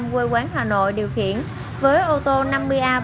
quê quán hà nội điều khiển với ô tô năm mươi a bốn mươi năm nghìn bốn mươi